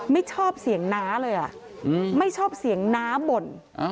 ไม่ชอบเสียงน้าเลยไม่ชอบเสียงน้าบ่น